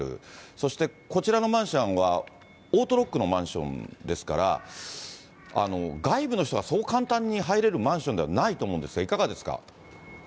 そしてこちらのマンションはオートロックのマンションですから、外部の人がそう簡単に入れるマンションではないと思うんですが、いかがですか。